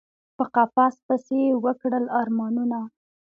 په قفس پسي یی وکړل ارمانونه